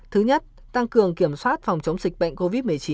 thứ nhất tăng cường kiểm soát phòng chống dịch bệnh covid một mươi chín